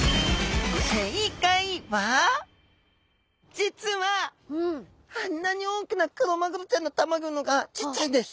実はあんなに大きなクロマグロちゃんのたまギョの方がちっちゃいんです。